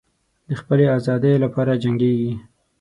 د خپلې آزادۍ لپاره جنګیږي.